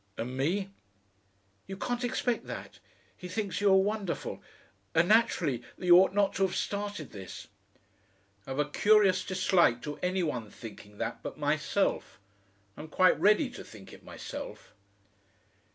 "And me?" "You can't expect that. He thinks you are wonderful and, naturally, that you ought not to have started this." "I've a curious dislike to any one thinking that but myself. I'm quite ready to think it myself."